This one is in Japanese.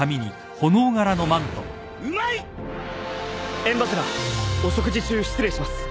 炎柱お食事中失礼します。